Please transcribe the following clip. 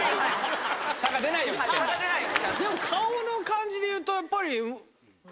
でも顔の感じでいうとやっぱり。